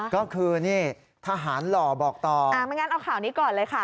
ก็คือนี่ทหารหล่อบอกต่ออ่าไม่งั้นเอาข่าวนี้ก่อนเลยค่ะ